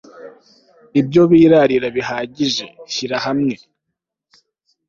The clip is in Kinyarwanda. Ibyo birarira bihagije Shyira hamwe